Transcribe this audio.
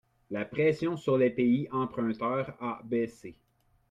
La pression sur les pays emprunteurs a baissé.